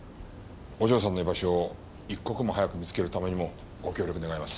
お嬢さんの居場所を一刻も早く見つけるためにもご協力願います。